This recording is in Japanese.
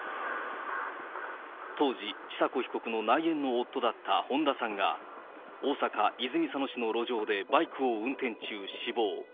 当時、千佐子被告の内縁の夫だった本田さんが、大阪・泉佐野市の路上でバイクを運転中死亡。